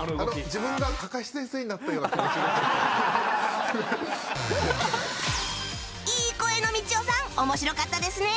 自分がいい声のみちおさん面白かったですね！